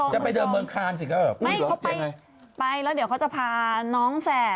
จะไปเดินเมืองคาร์นถึงพี่ถึงเป็นไง